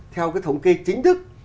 theo cái thống kê chính thức